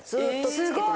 すごい！